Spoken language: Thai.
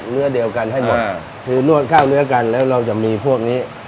เนื้อเดียวกันให้หมดคือนวดข้าวเนื้อกันแล้วเราจะมีพวกนี้